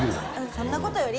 そんなことより。